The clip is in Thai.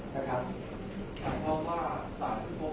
แต่ว่าไม่มีปรากฏว่าถ้าเกิดคนให้ยาที่๓๑